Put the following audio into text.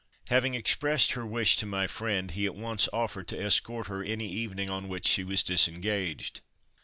Having expressed her wish to my friend, he at once offered to escort her any evening on which she was disengaged.